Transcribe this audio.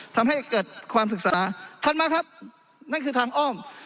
ทำให้เกิดความศึกษาถัดมาครับนั่นคือทางอ้อม